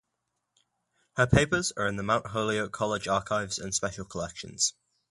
Her papers are in the Mount Holyoke College Archives and Special Collections.